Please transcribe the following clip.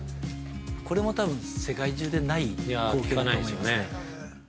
これも多分、世界中でない光景だと思いますね。